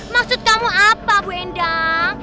maksud kamu apa bu endang